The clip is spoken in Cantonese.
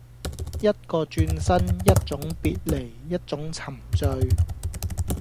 一個轉身，一種別離，一種沉醉